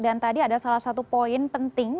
dan tadi ada salah satu poin penting